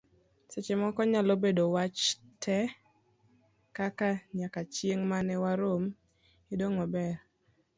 seche moko nyalo bedo wach te, kaka; nyaka chieng' mane warom, idong' maber